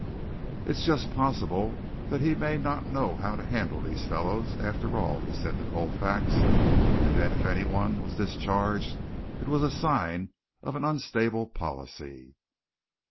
"It's just possible that he may not know how to handle these fellows, after all," he said to Colfax, and then if anyone was discharged it was a sign of an unstable policy.